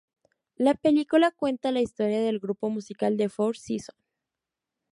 La película cuenta la historia del grupo musical "The Four Seasons".